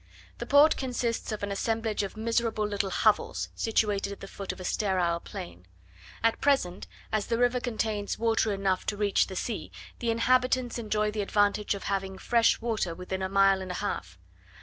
The Port consists of an assemblage of miserable little hovels, situated at the foot of a sterile plain. At present, as the river contains water enough to reach the sea, the inhabitants enjoy the advantage of having fresh water within a mile and a half.